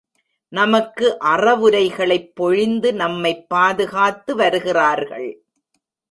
நமக்கு அறவுரைகளைப் பொழிந்து நம்மைப் பாதுகாத்து வருகிறார்கள்.